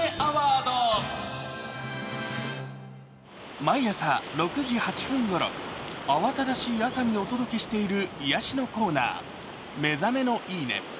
毎朝６時８分ごろ、慌ただしい朝にお届けしている癒やしのコーナー、「目覚めのいい音」。